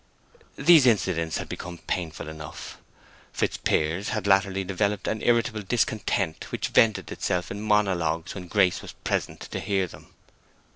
These incidents had become painful enough. Fitzpiers had latterly developed an irritable discontent which vented itself in monologues when Grace was present to hear them.